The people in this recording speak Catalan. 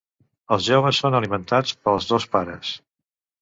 Els joves són alimentats pels dos pares.